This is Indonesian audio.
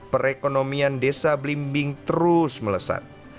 perekonomian desa blimbing terus melesat